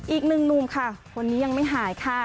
อีกหนึ่งหนุ่มค่ะคนนี้ยังไม่หายค่ะ